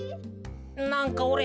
なんかおれ